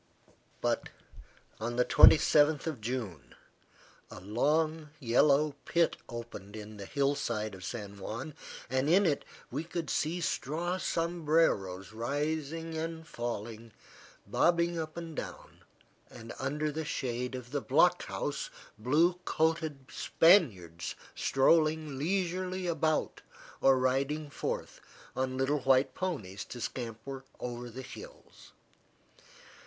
But, on the 27th of June, a long, yellow pit opened in the hill side of San Juan, and in it we could see straw sombreros rising and bobbing up and down, and under the shade of the block house, blue coated Spaniards strolling leisurely about or riding forth on little white ponies to scamper over the hills.